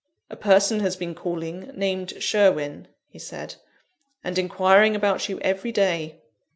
"A person has been calling, named Sherwin," he said, "and inquiring about you every day.